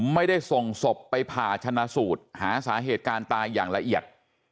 ไม่ได้ส่งศพไปผ่าชนะสูตรหาสาเหตุการณ์ตายอย่างละเอียด